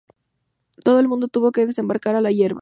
Todo el mundo tuvo que desembarcar a la hierba.